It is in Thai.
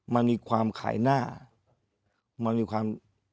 มันมีความขายหน้ามันมีความ